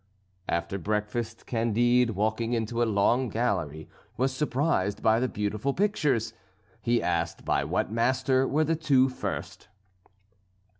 After breakfast, Candide walking into a long gallery was surprised by the beautiful pictures. He asked, by what master were the two first.